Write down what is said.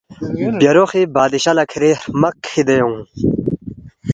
بیہ روغی بادشو لہ کِھری ہرمق کِھدے اونگ